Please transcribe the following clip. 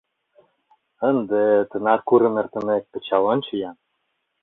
Ынде, тынар курым эртымек, кычал ончо-ян!